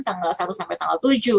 tanggal satu sampai tanggal tujuh